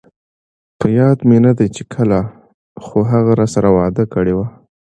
په ياد مې ندي چې کله، خو هغه راسره وعده کړي وه